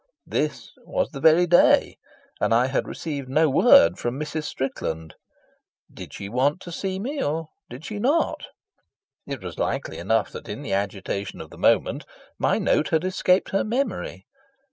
This was the very day, and I had received no word from Mrs. Strickland. Did she want to see me or did she not? It was likely enough that in the agitation of the moment my note had escaped her memory.